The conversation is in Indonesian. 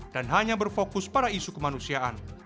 dan hanya berfokus pada isu kemanusiaan